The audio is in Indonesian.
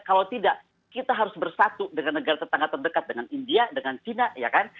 kalau tidak kita harus bersatu dengan negara tetangga terdekat dengan india dengan china ya kan